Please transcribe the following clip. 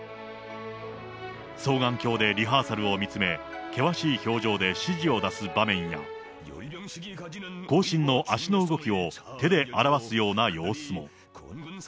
双眼鏡でリハーサルを見つめ、険しい表情で指示を出す場面や、行進の足の動きを手で表すような様子も。